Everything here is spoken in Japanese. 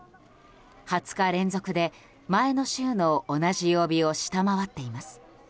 ２０日連続で、前の週の同じ曜日を下回っています。